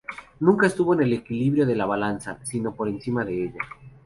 Nunca estuvo en el equilibrio de la balanza, sino por encima de ella.